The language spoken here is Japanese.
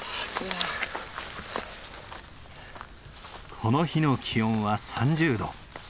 この日の気温は３０度。